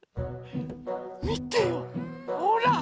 みてよほら！